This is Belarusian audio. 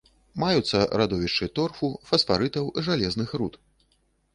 Маюцца радовішчы торфу, фасфарытаў, жалезных руд.